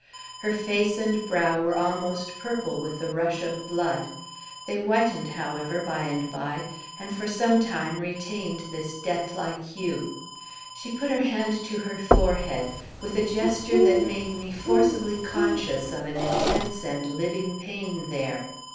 Her face and brow were almost purple with the rush of blood. They whitened, however, by and by, and for some time retained this deathlike hue. She put her hand to her forehead, with a gesture that made me forcibly conscious of an intense and living pain there.